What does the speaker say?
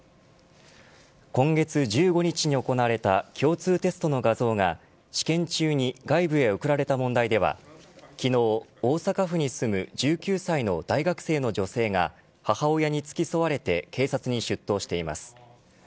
今月１５日に行われた共通テストの画像が試験中に外部へ送られた問題では昨日、大阪府に住む１９歳の大学生の女性が母親に付き添われて警察に出頭しています。